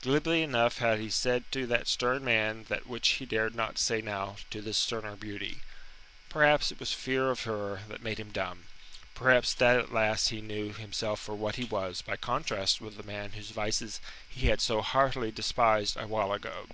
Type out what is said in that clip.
Glibly enough had he said to that stern man that which he dared not say now to this sterner beauty. Perhaps it was fear of her that made him dumb, perhaps that at last he knew himself for what he was by contrast with the man whose vices he had so heartily despised a while ago.